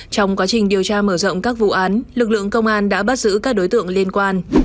trong quá trình điều tra mở rộng các vụ án lực lượng công an đã bắt giữ các đối tượng liên quan